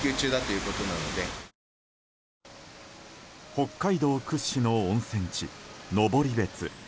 北海道屈指の温泉地・登別。